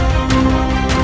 kau akan mati